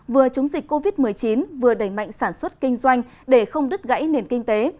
vừa chống dịch covid một mươi chín vừa đẩy mạnh sản xuất kinh doanh để không đứt gãy nền kinh tế